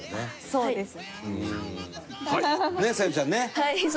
そうです。